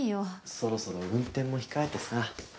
そろそろ運転も控えてさ。